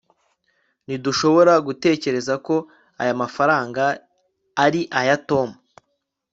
ntidushobora gutekereza ko aya mafaranga ari aya tom